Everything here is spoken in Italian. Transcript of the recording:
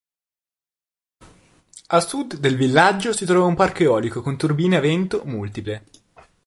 A sud del villaggio si trova un parco eolico con turbine a vento multiple.